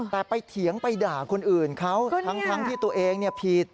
แต่ไปเถียงไปด่าคนอื่นเขาทั้งที่ตัวเองผิด